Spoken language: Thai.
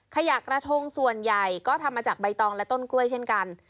ขยะกระทงส่วนใหญ่ก็ทำมาจากใบตองและต้นกล้วยเช่นกัน